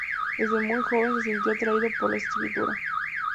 Desde muy joven se sintió atraído por la escritura.